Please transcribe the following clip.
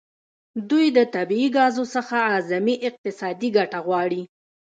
دوی د طبیعي ګازو څخه اعظمي اقتصادي ګټه غواړي